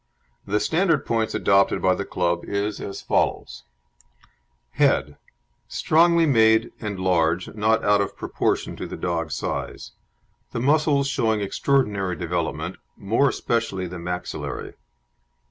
The standard of points adopted by the club is as follows: HEAD Strongly made and large, not out of proportion to the dog's size; the muscles showing extraordinary development, more especially the maxillary.